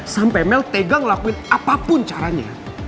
sampai mel tegang lakuin apapun caranya